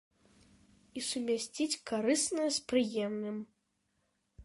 І сумясціць карыснае з прыемным.